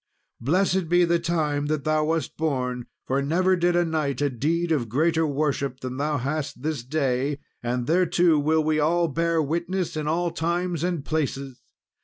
Blessed be the time that thou wast born, for never did a knight a deed of greater worship than thou hast this day, and thereto will we all bear witness in all times and places!